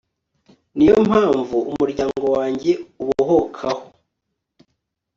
ni yo mpamvu umuryango wanjye ubohokaho